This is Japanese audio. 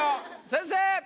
先生！